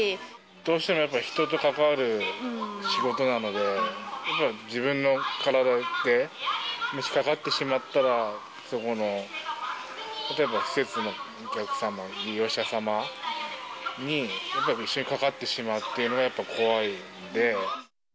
どうしてもやっぱり人と関わる仕事なので、やっぱり自分の体で、もしかかってしまったら、そこの、例えば施設のお客様、利用者様に、やっぱりかかってしまうっていうのがやっぱり怖いので。